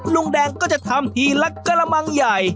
ลุงแดงก็จะทำทีละกระมังใหญ่